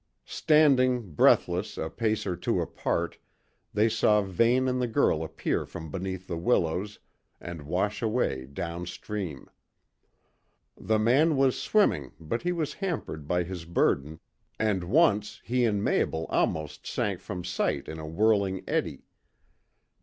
Standing, breathless, a pace or two apart, they saw Vane and the girl appear from beneath the willows and wash away down stream. The man was swimming but he was hampered by his burden, and once he and Mabel sank almost from sight in a whirling eddy.